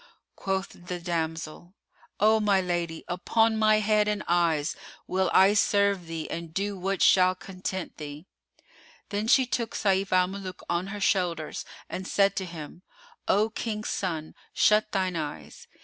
Quoth the damsel, "O my lady, upon my head and eyes will I serve thee and do what shall content thee." Then she took Sayf al Muluk on her shoulders and said to him, "O King's son, shut thine eyes."